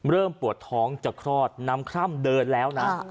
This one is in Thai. ปวดท้องจะคลอดน้ำคร่ำเดินแล้วนะ